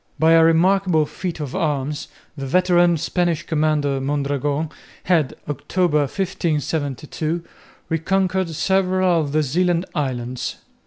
By a remarkable feat of arms the veteran Spanish commander Mondragon had, October, 1572, reconquered several of the Zeeland islands.